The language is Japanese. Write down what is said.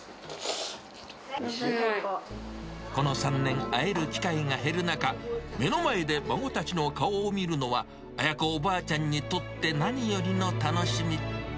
この３年、会える機会が減る中、目の前で孫たちの顔を見るのは、綾子おばあちゃんにとって何よりの楽しみ。